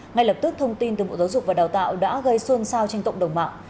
ngay lập tức thông tin từ bộ giáo dục và đào tạo đã gây xuân sao trên cộng đồng mạng